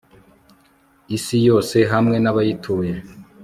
isi yose, hamwe n'abayituye